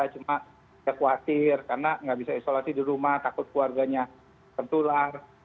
cuma saya khawatir karena nggak bisa isolasi di rumah takut keluarganya tertular